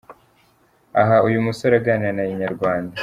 Aha uyu musore aganira na Inyarwanda.